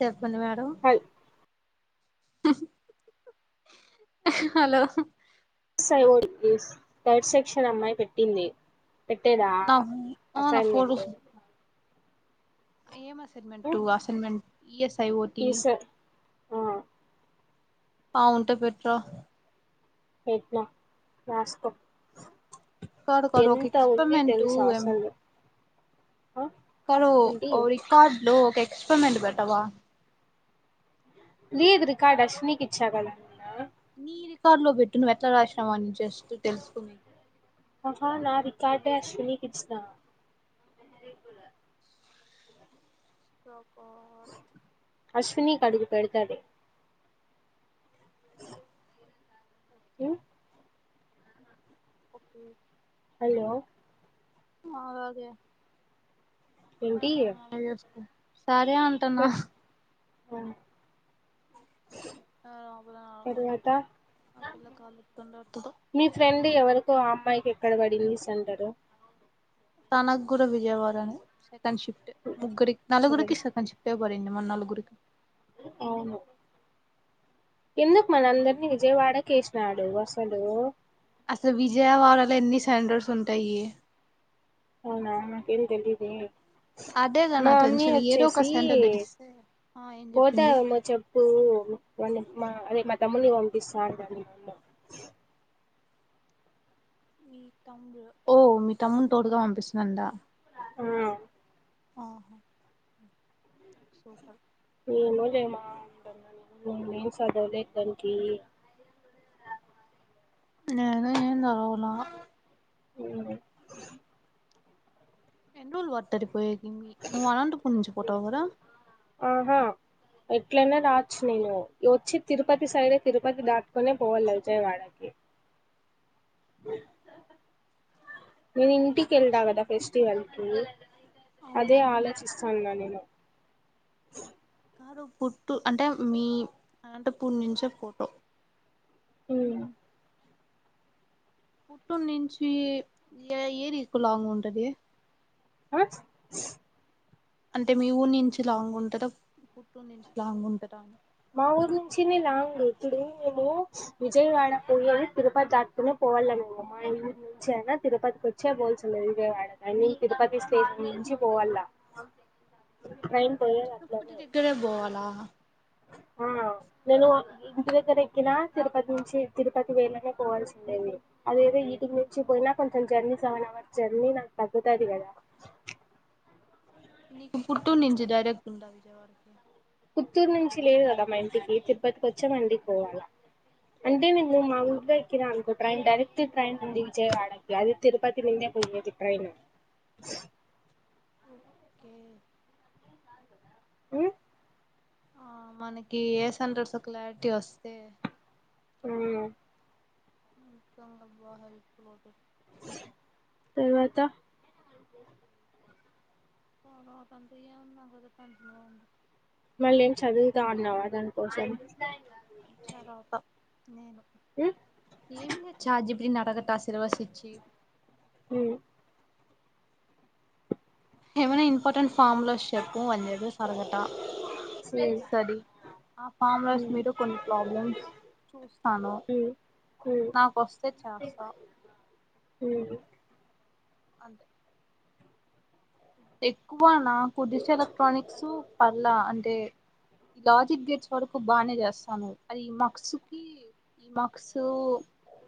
చెప్ పండి మేడమ్ హల్ హలో థర్డ్ సెక్షన్ అమ్మాయి పెట్టింది పెట్టేదా నా ఆ నా ఫోటో అసైన్మెంట్ ఏం అసైన్మెంట్ అసైన్మెంట్ ఈఎస్ఐ ఓటి ఈ సార్ ఆ ఆ ఉంటే పెట్ర పెట్నా రాస్కో కాదు కాదు ఒక ఎక్స్పర్మెంటూ అసలు ఆ కాదు ఏంటి ఓ రికార్డు లోఒక ఒక ఎక్స్పెరిమెంట్ పెట్టవా లేదు రికార్డ్ అశ్వినీ కి ఇచ్చగద నీ రికార్డు లో పెట్టు నువ్వు ఎట్ల రాసినావ అని జస్ట్ తెలుసుకునేకి అహా నా రికార్టే అశ్వినికి ఇచ్చిన స అశ్వినికి అడుగు పెడతదీ ఉమ్ ఓకే హలో అ అదే ఏంటి అవున సరే అంటానా కట్ ఆ ఆ లోపల నాక తర్వాత ఆ పిల్ల కాల ఇటుండతదు మీ ఫ్రెండ్ ఎవరికో ఆ అమ్మాయికి ఎక్కడ పడిందిస్ అంటారు తనక్గూడు విజయవాడని సెకండ్ షిట్ ముగురీకి నాలుగురికి సెకండ్ షిట్ పడింది నలుగురికి అవును ఎందుకు మన అందరినీ విజయవాడ కష్నాడు అసలు అసలు విజయవాడలో ఎన్ని శాండల్ ఉంటాయి అవునా నాకేం తెలీదు అదేగా నా మా అమ్మీ టెన్షన్ ఏదో ఒక వచ్చేసి సెంటర్ తెలిస్తే ఆ ఏం పోత చెప్పింది ఉనా చెప్పు మా అదే మా తమ్ముణ్ణి పంపిస్తా ఓ మీ తమ్ముని తోడుగా పంపిస్తదంట ఆ ఆహో సూపర్ నేమో చేమా అంట నే ఏం చదవలే దానికి నేనే ఏం చదవల అ ఎల్ వతరి పోయి ను అనంటప్పు నుంచి ఫోటో కదా ఆహా ఎట్లైనా రాచ్చు నేను వచ్చి తిరుపతి సైడే తిరుపతి దాటుకునే పోవాలి విజయవాడకి మీ ఇంటికి వెళ్దా ఫెస్ట్ జరైకు అదే అవునవును ఆలోచిస్తాన్నా నేను కారు పుట్టు అంటే మీ ఆంట పూడి నుంచే ఫోటో హ కుట్టం నుంచి ఏ ఏరికు లో అంగ్ ఉంటది ఆ అంటే మీ ఊరి నుంచి లాంగ్ ఉంటారా పుట్ నుంచి లాంగ్ ఉంటందా అని మా ఊరు నుంచినే లాంగ్ ఇప్పుడు మేము విజయవాడ పోయది తిరుపతి దాటుకునే పోవాల మేము మా ఊరు నుంచిే అనా తిరుపతికి వచ్చే పోల్ విజయవాడ కా తిరుపతి స్టేషన్ నుంచి పోవాల ట్రైన్ పోయేది చప్పటి అట్లనే దగ్గరే పోవాలా ఆ నేను ఇంటి దగ్గర ఎక్కిన తిరుపతి నుంచి తిరుపతి వేళనే పోవల్సి ఉండేది అదేదో నేను నుంచి పోయినా కొంచెం జర్నీ సెవెన్ అవర్స్ జర్నీ నాకు తగ్గుతుంది కదా నీకు కుట్టుర్ నుంచి డైరెక్ట్ ఉంటా విజయవాడకి చిత్తూరు నుంచి లేదు కదా మా ఇంటికి తిరుపతికి వచ్చే మా ఇంటికి పోవాల అంటే నిను మా ఊరులో ఎక్కి నా అనుకో ట్రైన్ డైరెక్ట్ ట్రైన్ ఉంది విజయవాడకి అది తిరుపతి మిందే పోయేది ట్రైన్ ఓకే ఉమ్ ఆ మనకి ఏ సెంటర్సో క్లారిటీ వస్తే ఆ మొత్తం గా బా హెలాఫుల్ అవుతది తర్వాత తర్వాత అంటే ఏం నాకదే టెన్షన్ గా ఉంది మళ్ళేం చదువుతా అన్నావా దానికోసం చదవత నేను ఉమ్ ఏమిలె చాట్ జి పి టి ని అడగత సిలబస్ ఇచ్చి ఉమ్ ఏమైనా ఇంపార్టెంట్ ఫామ్లౌస్ చెప్పు అని చెప్పేసి అడగత ఇస్తది ఆ ఫామ్లౌస్ ఉమ్ మీరు కొన్ని ప్రాబ్లమ్స్ చూస్తాను ఉమ్ ఉమ్ నాకు వస్తే చేస్తా ఉమ్ అంతే ఎక్కువనా కుద్దిసె ఎలక్ట్రానిక్స్ పర్లా అంటే ఈ లాజిక్ గేట్స్ వరకు బానే చేస్తాను అది ఈ మక్సు కి ఈ మక్సు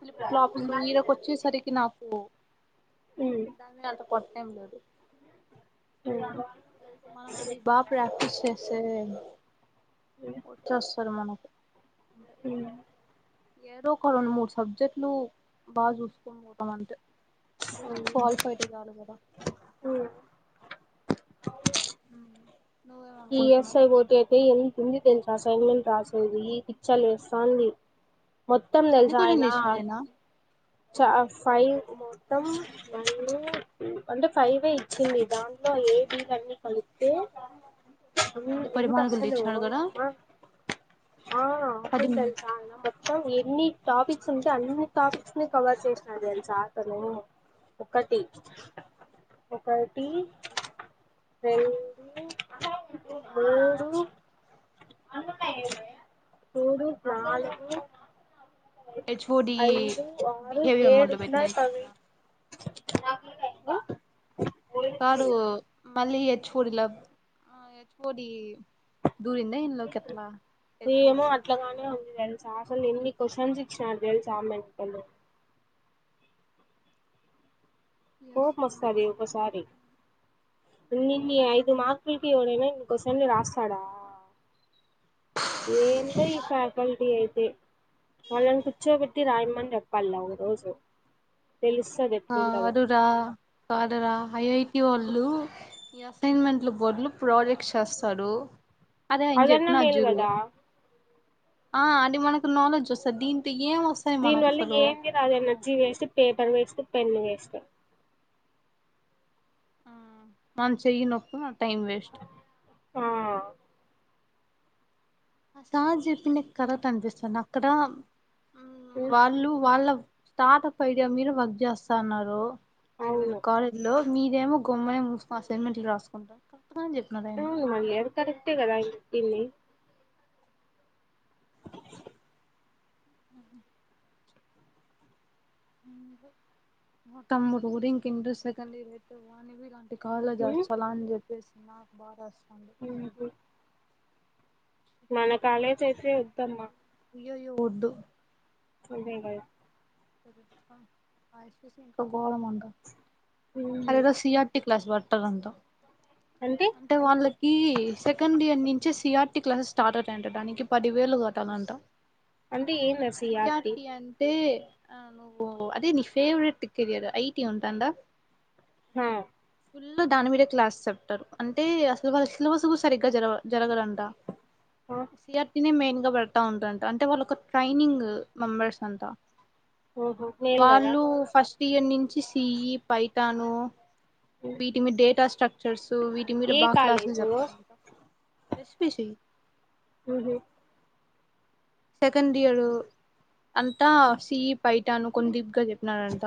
ఫ్లిప్ ఫ్లాప్సు ఈడకి వచ్చేసరికి నాకు ఉమ్ దానిమీద అంత ప ఏం లేదు ఉమ్ మనం అవి బా ప్రాక్టీస్ చేసే వచ్చేస్తరు మనం ఉమ్ ఏదో ఒక రెండు మూడు సబ్జెక్టులు బా చూసుకని పోతాం అంతే జస్ట్ క్వాలిఫై అయితే చాలు కదా ఉమ్ ఉమ్ ఈఎస్ఐ బోతే తే ఏ ఎన్ని తెల్సా అసైన్మెంట్ రాసేది పిచ్చ లేస్తాంది మొత్తం ఎన్ని తెల్సా ఆయన క్వశ్చన్లు ఇచ్చినాడు ఆయన చ ఫైవ్ మొత్తం వన్ను టు అంటే ఫైవ్ ఇచ్చింది దాంట్లో ఏ బి లన్ని కల్పితే అన్ని ఎంత పరిమాణకులు అసలు ఇచ్చినాడు కదా ఓయమ్మ ఆ పది మొత్తం తెల్సా ఆయన మొత్తం ఎన్ని టాపిక్స్ ఉంటే అన్ని టాప్ ని కవర్ చేసినాడు తెలుసా అతను ఒకటి ఒకటి రెండు మూడు మూడు నాలుగు హెచ్ఓడి ఐదు ఆరు బిహేవియర్ ఏడు మొదలు ఉన్నాయి పెట్టినది ఆవి కూడా [inaudible] కాదు మళ్లీ హెచ్ ఓ డి లా ఆ హెచ్ ఓ డి దూరింద ఇందులోకి ఎట్లా హెచ్ ఓ ఏమో డి కదా క్యూస్షన్స్ ఇచ్చినారు తెలుసా మెంటలు కోపం మస్తది ఇంకోసారి నిన్న ఐదు మార్క్ లకు ఎవడైనా ఇంకోసారి రాస్తాడా ఏందో ఈ ఫ్యాకల్టీ అయితే వాళ్ళని కూర్చోబెట్టి రాయమ్మని చేప్పాలా ఓక రోజు తెలుస్తది ఆ ఎట్లుంటదో అరురా కాదురా ఐ ఐ టి వాళ్ళు ఈ అసైన్మెంట్ల బోర్డులు ప్రాజెక్ట్ చేస్తారు అదే ఆయన అదన్న చెప్పినారు మేల్ చూడు కదా ఆ అది మనకు నాలెడ్జ్ వస్తది దీనితో దీని వల్ల ఏమి రా energy waste paper waste pen waste ఆ మన చేయి నొప్పి టైం వేస్ట్ ఆ ఆ సార్ చెప్పిందే కరెక్ట్ అనిపిస్తాది అక్కడ ఉమ్, వాళ్ళు వాళ్ళ స్టార్టప్ ఐడియా మీరు వర్క్ చేస్తా ఉన్నారు వేర వేర అవును కాలేజ్ లో మీరేమో గమ్మనే మూసుకు అసైన్మెంట్లు రాసుకుంటాం గానే చెప్పినారు ఆయన ఆవు మళ్ళీ అది కరెక్ట్ ఏ కదా ఇల్లి ఆ మా తమ్ముడు కూడా ఇంకా ఇంటర్ సెకండ్ ఇయర్ ఆయితే వాడిని కాలేజ్ ఉమ్, చేస్తా కృష్ణ అకుబారస్ ఉహు మన కాలేజ్ అయితే వద్దమ్మా అయ్యయ్యో వద్దు అదేగా కా పోళముండ ఉహు. అదేదో C R T class better అంత అంటే వాళ్ళకి సెకండ్ ఇయర్ నుం చి వచ్చేసి సి ఆర్టీ క్లాసెస్ స్టార్ట్ అయితాయంట దానికి పదివేలు కట్టాలంటా అంటే ఏంది ఆ సి ఆర్ సిఆర్టీ టి అంటే ఆ నువ్ అదే నీ ఫేవరెట్ కెరియర్ ఐటీ ఉంటాందా ఉమ్ ఫుల్లు దాని మీద క్లాస్ చెప్తారు అంటే అసలు వాళ్ళ సిలబస్ కూడా సరిగ్గా జరగ జరగదంట ఆ సి ఆర్ టి నే మెయిన్ పెడతా ఉంటంట అంటే వాళ్ళ ఒక ట్రైనింగ్ మెంబర్స్ అంత ఓహో మేల్ కదా వాళ్ళు ఫస్ట్ ఇయర్ నుంచి సీ యి పైథాను ఉమ్. వీటి మీద డేటా స్ట్రక్ చర్స్ సో వీటి మీద ఏ బాగా క్లాసులు కాలేజు చెప్తారంట ఎస్ పి సి ఉహూ సెకండ్ ఇయరు అంతా ఉమ్, సీ పైథాన్ కొన్ని డీప్ గా చెప్పినాడంట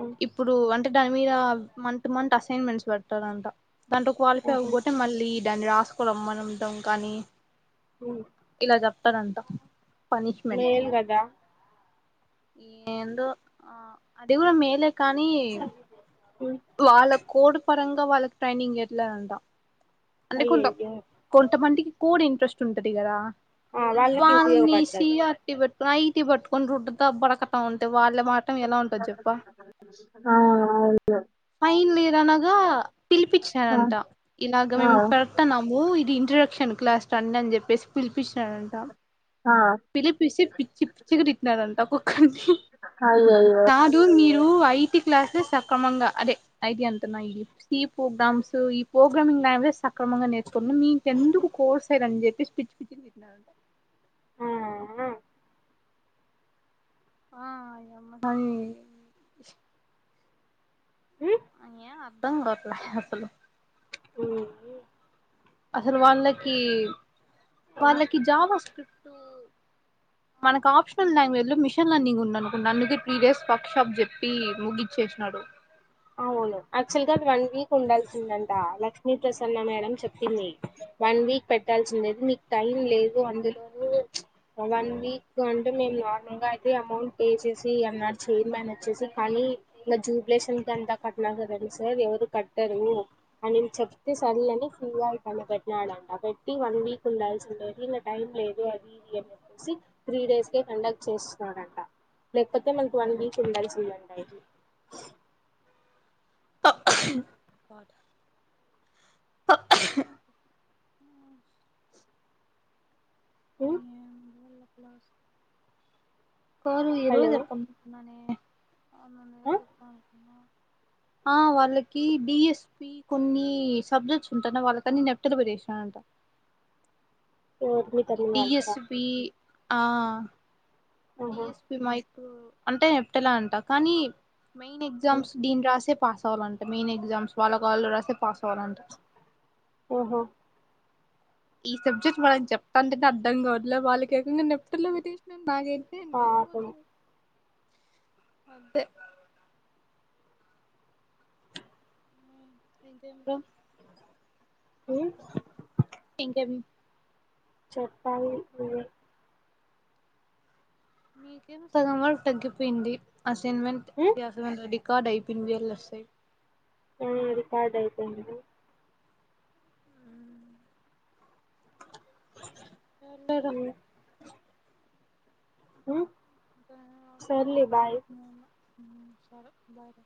ఉమ్, ఇప్పుడు అంటే దాని మీద మంత్ మంత్ అసైన్మెంట్స్ పెడుతాడంట దాంట్లో క్వాలిఫై ఆహా అవ్వపోతేే మళ్ళీ దాన్ని రాసుకోని రమ్మనటం కానీ ఉమ్ తద అంటా మేలు కదా ఏందో ఆ అది కూడా మేలే కానీ ఉమ్, వాళ్ళ కోడ్ పరంగా వాళ్ళకి ట్రైనింగ్ పెట్లేదు అంట అల్లి కుండా అయ్యయ్యో కొంతమందికి కోడు ఇంట్రెస్ట్ ఉంటది కదా ఆ వాళ్ళకి వాన్ వి సి ఉపయోగపడతది ఆటి పెట్టు రాయిటి పట్టుకుని రుట్టుత కోరకతా ఉంటా వాళ్ళ వాటం ఎలా ఉంటది చెప్ప ఆ అవును ఫైనల్ ఇయర్ అనగా పిలిపిచ్చిననంట ఇలాగా ఆ మేము పెడతానము ఇది ఇంట్రడ చిన్ క్లాస్కి రండి అని చెప్పేసి పిలిపించినడంట ఆ ఆ, పిలిపిచ్చి పిచ్చి పిచ్చికి తిట్నరంట ఒక్కొక్కని అయ్యయ్యో కాదు మీరు ఐటి క్లాస్ సక్మంగా అదే అఐతే అంతన్నా ఈ ప్రోగ్రామ్స్ ఈ ప్రోగ్రామింగ్ సక్రమంగా నేర్చుకుంట మీకెందుకు కోర్స్ అయిదని చెప్పేసి పిచ్చి పిచ్చి తిరంట ఆ అయమ్మడయే అనియా అస్సలు ఓఓ అసలు వాళ్లకి ఆ ఆ ఉ వాళ్ళకి జాబ్ వస్తూ మనకు ఆప్షనల్ లాంగ్వేజ్ లో మిషన్ అన్న ఉండనుకు అందుక త్రీ డేస్ వర్క్ షాప్ చెప్పి ముగిచ్చేసినాడు ఫోన్ యాక్చువల్గా వన్ వీక్ ఉండాల్సిందంట లక్ష్మీ ప్రసన్న మేడం చెప్పింది వన్ వీక్ పెట్టాల్సిందే మీకు టైం లేదు అందులోన వన్ వీక్ అంటే మేము నార్మల్ గా అయితే అమౌంట్ పే చేసి అన్నా చైర్మన్ వచ్చేసి కానీ ఇ జూబ్లేషన్ ఇ ఎంతా కట్టినా కదండి సార్ ఎవరు కట్టరు అని చెప్తే సర్ అని ఫ్రీగా ఇ పెట్టినాడంట పెట్టి వన్ వీక్ ఉండాల్సి ఉండేది ఇంత టైం లేదు అది ఇది అని చెప్పేసి త్రీ డేస్కే కండక్ట్ చేస్తున్నాడంట లేకపోతే మనకి వన్ వీక్ ఉండాల్సి ఉందండి అది [unintelligible] ఉ ఎనోక్లాస్ కోళ్లు ఈ రోజు హలో ఎ ఆ ఆ వాళ్ళకి డిఎస్పి కొన్ని సబ్జెక్ట్స్ ఉంటా వాళ్ళకన్ని నెప్టర్ చేసినడంట ఓ మీ [inaudible] ఆ ఆహా డిఎస్పి మాహ అంటే ఎ అంత కానీ మెయిన్ ఉమ్, ఎగ్జామ్స్ నిను రాసె పాస్ అవ్వాలంటే మెయిన్ ఎగ్జామ్స్ వాళ్ళ కాళ్ళు రరాసే పాస్ అవ్వాలంట ఓహ్ ఈ సబ్జెక్ట్ మళ్నకి చెప్తా అంటేనే అర్థం కావట్లే వాళ్ళకి ఏకంగా నప్తిన ఆ అద అంతే ఇంకా ఏ ఇంకా చెప్పాల న్వ్ మీకేం సగం వళ తగ్గిపోయింది అసైన్మెట్ ఉమ్ రికార్డు అయిపోయింది ఆ రికార్డు అయిపోయేది అంటార మ్ అసుకో సరే బాయ్